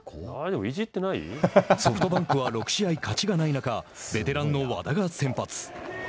ソフトバンクは６試合勝ちがない中ベテランの和田が先発。